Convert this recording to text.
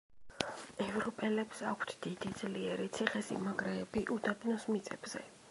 ევროპელებს აქვთ დიდი, ძლიერი ციხე-სიმაგრეები უდაბნოს მიწებზე.